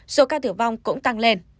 số ca tử vong cũng tăng lên